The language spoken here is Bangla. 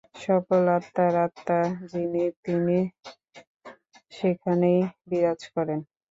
সকল আত্মার আত্মা যিনি, তিনি সেখানেই বিরাজ করেন।